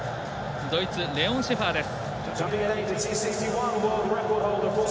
ドイツ、レオン・シェファーです。